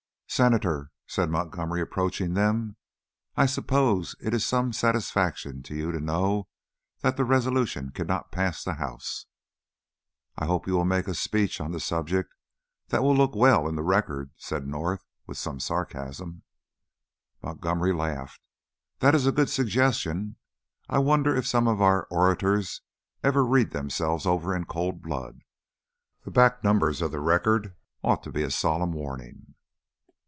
"Senator," said Montgomery, approaching them. "I suppose it is some satisfaction to you to know that that resolution cannot pass the House." "I hope you will make a speech on the subject that will look well in the Record," said North, with some sarcasm. Montgomery laughed. "That is a good suggestion. I wonder if some of our orators ever read themselves over in cold blood. The back numbers of the Record ought to be a solemn warning."